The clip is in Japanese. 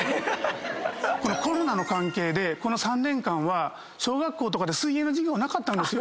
コロナの関係でこの３年間は小学校とかで水泳の授業なかったんですよ。